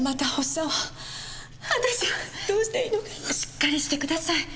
しっかりしてください。